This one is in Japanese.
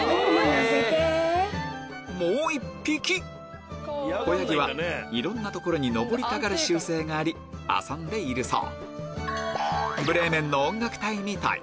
もう１匹子ヤギはいろんな所に上りたがる習性があり遊んでいるそう